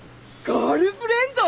ガールフレンド？